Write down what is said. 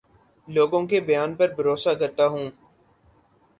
لوگوں کے بیان پر بھروسہ کرتا ہوں